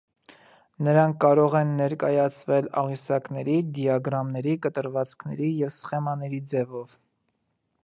Նրանք կարող են ներկայացվել աղյուսակների, դիագրամների, կտրվածքների և սխեմաների ձևով։